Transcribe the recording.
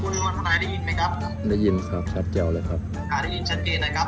คุณวันทนายได้ยินไหมครับได้ยินครับชัดเกลียวเลยครับค่ะได้ยินชัดเกลียวนะครับ